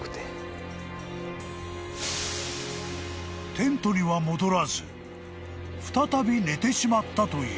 ［テントには戻らず再び寝てしまったという］